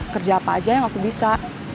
kerja apa aja yang aku bisa